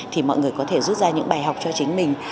thì mọi người có thể rút ra những bài học cho chính mình